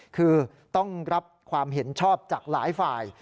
คือต้องรับความเห็นชอบจากหลายฝ่าย